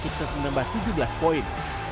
sukses menambah tujuh belas poin